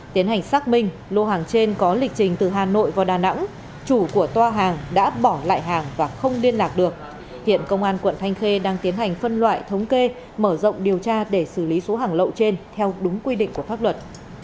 tiến hành xác minh lô hàng trên có lịch trình từ hà nội vào đà nẵng chủ của toa hàng đã bỏ lại hàng và không liên lạc được hiện công an quận thanh khê đang tiến hành phân loại thống kê mở rộng điều tra để xử lý số hàng lậu trên theo đúng quy định của pháp luật